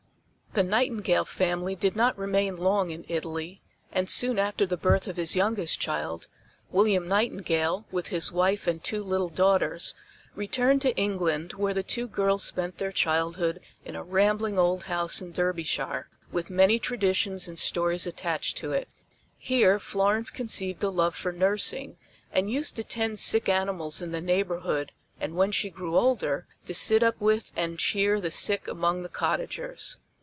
The Nightingale family did not remain long in Italy, and soon after the birth of his youngest child William Nightingale, with his wife and two little daughters, returned to England where the two girls spent their childhood in a rambling old house in Derbyshire with many traditions and stories attached to it. Here Florence conceived a love for nursing and used to tend sick animals in the neighborhood and when she grew older, to sit up with and cheer the sick among the cottagers.